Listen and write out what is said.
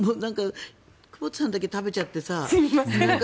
久保田さんだけ食べちゃってさ。